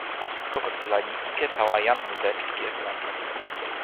kokosila li ike tawa jan mute pi toki Epelanto.